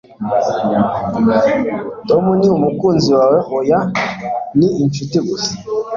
"Tom ni umukunzi wawe?" "Oya, ni inshuti gusa."